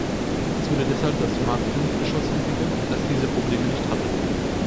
Es wurde deshalb das Mark-V-Geschoss entwickelt, das diese Probleme nicht hatte.